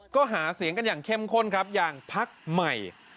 ก็หาเสียงกันอย่างเข้มข้นครับอย่างพักใหม่